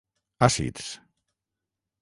Àcids: